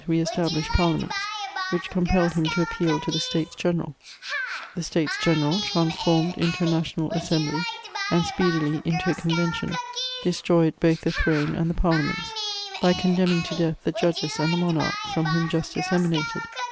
re established Parliaments, which compelled him to appeal to the States General ; the States General, transformed into a National As sembly and speedily into a Convention, destroyed both the throne and the Parliaments, by condemning to death the judges and the monarch from whom justice emanated.